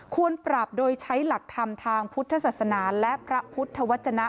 ควรปรับโดยใช้หลักธรรมทางพุทธศาสนาและพระพุทธวัจจนะ